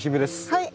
はい！